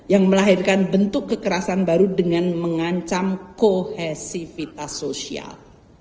yang melahirkan bentuk kekerasan baru dengan mengancam kohesivitas sosial